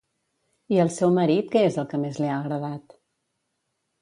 I al seu marit, què és el que més li ha agradat?